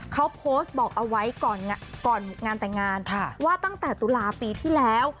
เขาโพสต์บอกเอาไว้ก่อนงานแต่งงานว่าตั้งแต่ตุลาปีที่แล้ว